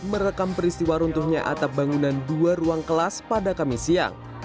merekam peristiwa runtuhnya atap bangunan dua ruang kelas pada kamis siang